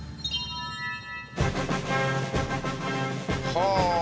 はあ！